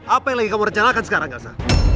apa yang lagi kamu rencanakan sekarang gaza